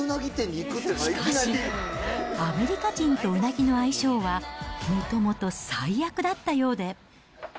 しかし、アメリカ人とうなぎの相性はもともと最悪だったようで。